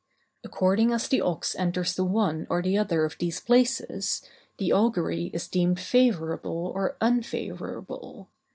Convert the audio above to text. According as the ox enters the one or the other of these places, the augury is deemed favorable or unfavorable.